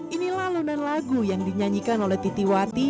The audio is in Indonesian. inilah london lagu yang dinyanyikan oleh titiwati